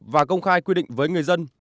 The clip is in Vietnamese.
và công khai quy định với người dân